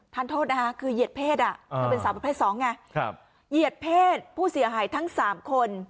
ท่านโทษนะคะคือเหยียดเพศอ่ะเขาเป็นสามประเภทสองไงครับเหยียดเพศผู้เสียหายทั้งสามคน